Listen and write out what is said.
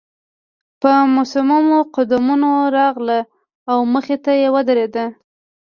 په مصممو قدمونو راغله او مخې ته يې ودرېده.